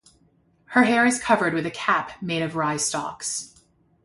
Her hair is covered with a cap made of rye stalks.